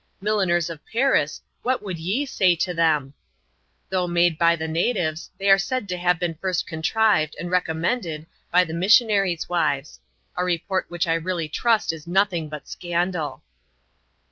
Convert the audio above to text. IVIilliners of Paris, what would ye say to them ! Though made by the natives; they are said to have been first contrived and recommended by the missionaries' wives ; a report which I really trust is nothing but scandal.